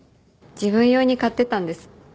自分用に買ってたんです。